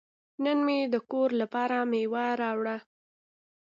نن مې د کور لپاره میوه راوړه.